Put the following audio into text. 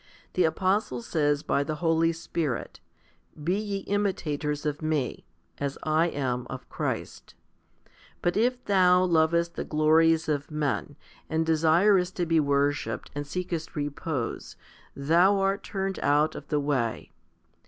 The apostle says by the Holy Spirit, Be ye imitators of me, as I am of Christ* But if thou lovest the glories of men, and desirest to be worshipped, and seekest repose, thou art turned out of the way.